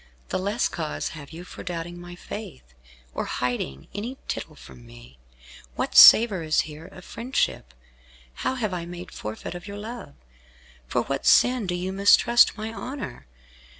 The less cause have you for doubting my faith, or hiding any tittle from me. What savour is here of friendship? How have I made forfeit of your love; for what sin do you mistrust my honour?